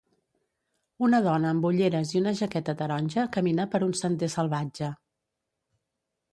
Una dona amb ulleres i una jaqueta taronja camina per un sender salvatge.